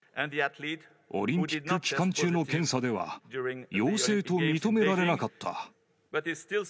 オリンピック期間中の検査では、陽性と認められなかった。